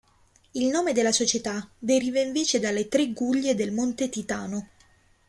Il nome della società deriva invece dalle tre guglie del Monte Titano.